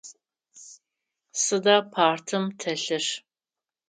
Сыда партым телъыр?